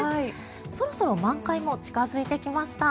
そろそろ満開も近付いてきました。